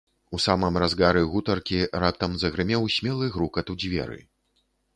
У самым разгары гутаркі раптам загрымеў смелы грукат у дзверы.